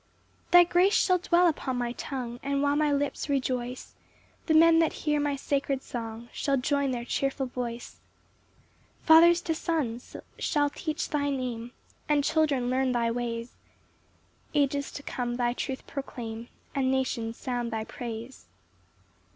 3 Thy grace shall dwell upon my tongue; And while my lips rejoice, The men that hear my sacred song Shall join their cheerful voice. 4 Fathers to Sons shall teach thy Name, And children learn thy ways; Ages to come thy truth proclaim, And nations sound thy praise.